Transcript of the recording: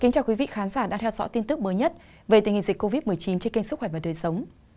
chào các khán giả đã theo dõi tin tức mới nhất về tình hình dịch covid một mươi chín trên kênh sức khỏe và đời sống